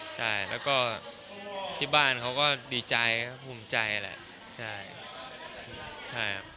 ใช่แล้วก็ที่บ้านเขาก็ดีใจครับภูมิใจแหละใช่ครับ